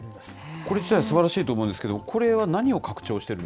これ自体、すばらしいと思うんですけれども、これは何を拡張